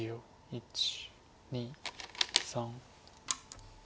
１２３。